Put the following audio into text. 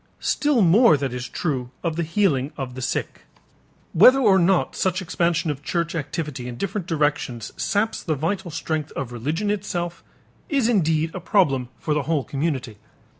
Still more that is true of the healing of the sick. Whether or not such expansion of church activity in different directions saps the vital strength of religion itself is indeed a problem for the whole community.